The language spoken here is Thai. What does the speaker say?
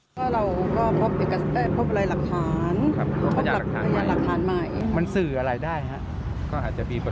พบอะไรหลักฐานหลักฐานใหม่มันสื่ออะไรได้ค่ะก็อาจจะมี